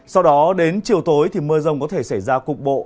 sau đó đến chiều tối thì mưa rông có thể xảy ra cục bộ